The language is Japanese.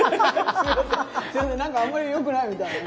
すいません何かあんまりよくないみたいね。